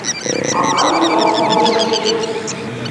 Ынгыледӓ? Нӓлеш шек...